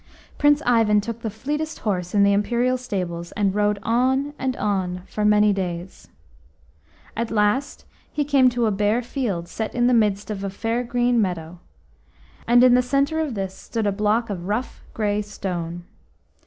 Prince Ivan took the fleetest horse in the Imperial stables, and rode on and on for many days. At last he came to a bare field set in the midst of fair green meadows, and in the centre of this stood a block of rough grey stone.